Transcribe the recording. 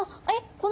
この？